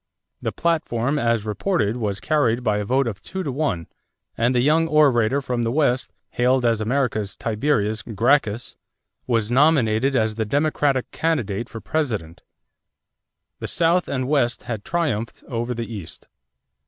The platform as reported was carried by a vote of two to one and the young orator from the West, hailed as America's Tiberius Gracchus, was nominated as the Democratic candidate for President. The South and West had triumphed over the East.